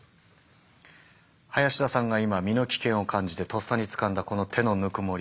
林田さんが今身の危険を感じてとっさにつかんだこの手のぬくもり。